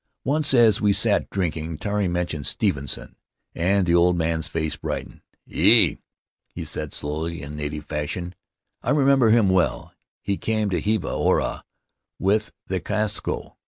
Once, as we sat drinking, Tari mentioned Stevenson, and the old man's face brightened. "E" he said, slowly, in native fashion, "I remember him well; he came to Hiva Oa with the Casco.